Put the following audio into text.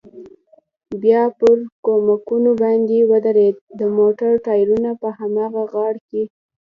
بیا پر کومکونو باندې ودرېد، د موټر ټایرونه په هماغه غار کې.